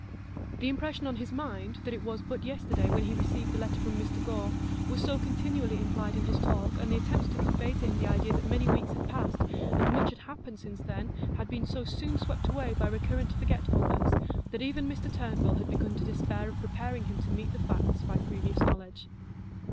The impression on his mind that it was but yesterday when he received the letter from Mr Gore was so continually implied in his talk, and the attempts to convey to him the idea that many weeks had passed and much had happened since then had been so soon swept away by recurrent forgetfulness, that even Mr Turnbull had begun to despair of preparing him to meet the facts by previous knowledge.